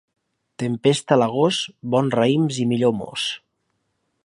Tempesta a l'agost, bons raïms i millor most.